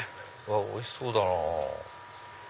おいしそうだなぁ。